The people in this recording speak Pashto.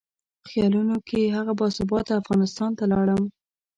خیالونو کې هغه باثباته افغانستان ته لاړم.